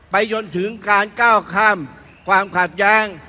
ไปยนต์ถึงการก้าวข้ามความขาดแยง